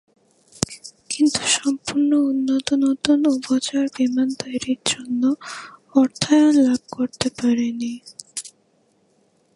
কিন্তু সম্পূর্ণ উন্নত নতুন উভচর বিমান তৈরির জন্য অর্থায়ন লাভ করতে পারেনি।